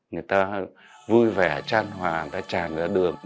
người ta vui vẻ tràn hòa tràn đưa đường